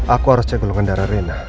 aku harus cek golongan darah rendah